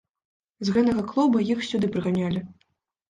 З гэнага клуба іх сюды прыганялі.